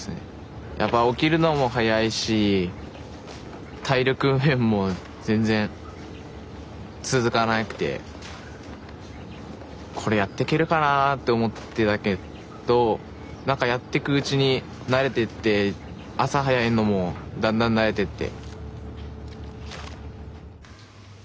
やっぱ起きるのも早いし体力面も全然続かなくてこれやってけるかなって思ってたけど何かやってくうちに慣れてって朝早いのもだんだん慣れてって。